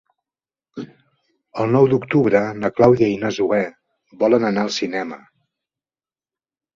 El nou d'octubre na Clàudia i na Zoè volen anar al cinema.